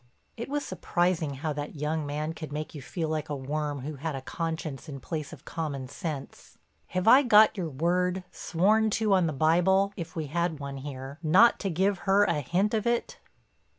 It was surprising how that young man could make you feel like a worm who had a conscience in place of common sense. "Have I got your word, sworn to on the Bible, if we had one here, not to give her a hint of it?"